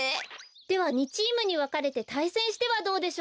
では２チームにわかれてたいせんしてはどうでしょう？